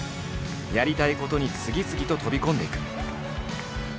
やりたいことに次々と飛び込んでいく。